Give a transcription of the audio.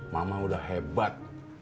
mama udah hebat